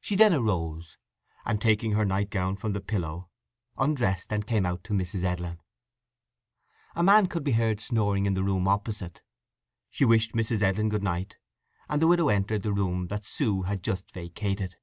She then arose, and taking her night gown from the pillow undressed and came out to Mrs. Edlin. A man could be heard snoring in the room opposite. She wished Mrs. Edlin good night, and the widow entered the room that Sue had just vacated.